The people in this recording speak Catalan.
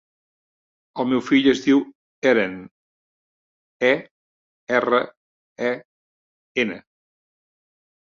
El meu fill es diu Eren: e, erra, e, ena.